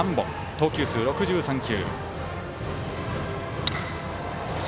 投球数６３球。